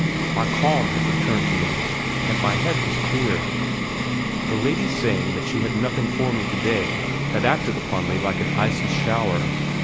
My calm had returned to me, and my head was clear. The lady's saying that she had nothing for me today had acted upon me like an icy shower.